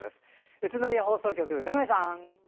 宇都宮放送局、長井さん！